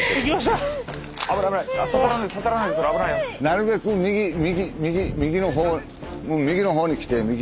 なるべく右右右右のほう右のほうに来て右。